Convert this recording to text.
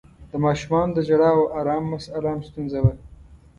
د ماشومانو د ژړا او آرام مسآله هم ستونزه وه.